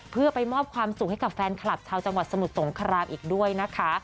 เพื่อไปมอบความสุขให้กับแฟนคลับชาวจังหวัดสมุทรสงครามอีกด้วยนะคะ